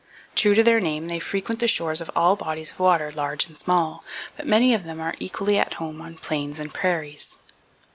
True to their name they frequent the shores of all bodies of water, large and small, but many of them are equally at home on plains and prairies.